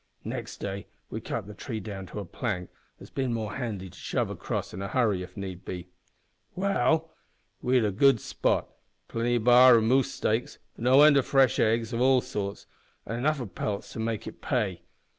Next day we cut the tree down to a plank, as bein' more handy to shove across in a hurry if need be. "Well, we had good sport plenty of b'ar and moose steaks, no end of fresh eggs of all sorts, and enough o' pelts to make it pay.